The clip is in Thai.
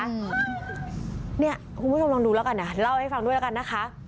คุณผู้ชมลองดูแล้วกันอ่ะเล่าให้ฟังด้วยแล้วกันนะคะ